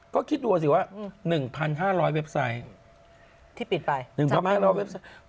ก็คิดดูสิว่า๑๕๐๐เว็บไซต์ที่ปิดไป๑๕๐๐เว็บไซต์